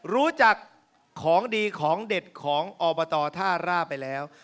รู้จักของดีของเด็ดของอบตท่าร่าไปแล้ว